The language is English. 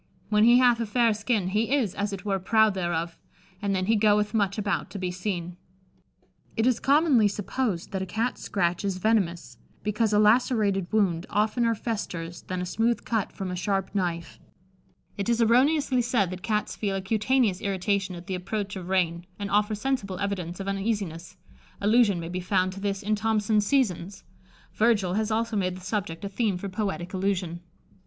When he hathe a fayre skinne, he is, as it were, proude thereof, and then he goethe muche aboute to be seene." It is commonly supposed that a Cat's scratch is venomous, because a lacerated wound oftener festers than a smooth cut from a sharp knife. It is erroneously said that Cats feel a cutaneous irritation at the approach of rain, and offer sensible evidence of uneasiness: allusion may be found to this in "Thomson's Seasons." Virgil has also made the subject a theme for poetic allusion.